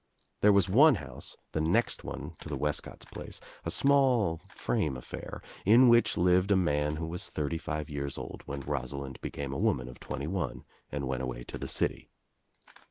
There was one house, the next one to the Wescott's place, a small frame affair, in which lived a man who was thirty five years old when Rosalind became a woman of twenty one and went away to the city.